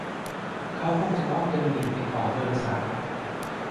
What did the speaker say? เขาคงจะเดินดิ่งไปขอเบอร์สาว